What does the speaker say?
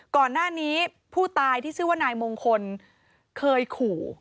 ก่อนหน้านี้ผู้ตายที่ชื่อว่านายมงคลเคยขู่